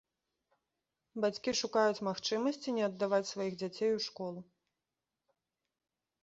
Бацькі шукаюць магчымасці не аддаваць сваіх дзяцей у школу.